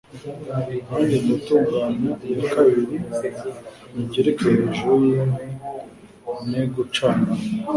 nanjye ndatunganya iya kabiri nyigereke hejuru yinkwi ne gucanamo